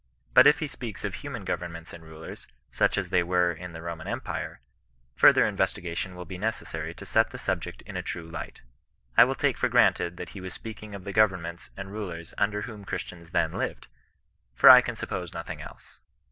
But if he speaks of human governments and rulers, such as they were in the Roman empire, further investigation will be necessary to set the subject in a true light. I will take for granted that he was speaking of the governments and rulers under whom Christians then lived ; for I can suppose nothing else.